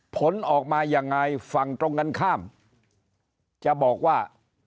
ผลออกมายังไงฝั่งตรงกันข้ามจะบอกว่า